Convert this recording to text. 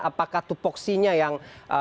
apakah tupoksinya yang